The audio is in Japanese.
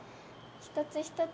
一つ一つ